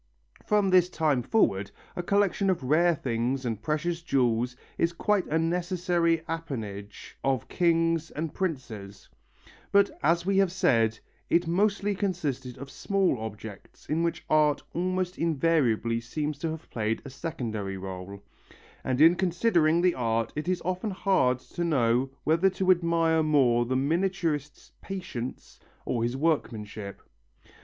From this time forward a collection of rare things and precious jewels is quite a necessary apanage of kings and princes, but as we have said, it mostly consisted of small objects in which art almost invariably seems to have played a secondary rôle, and in considering the art it is often hard to know whether to admire more the miniaturist's patience or his workmanship.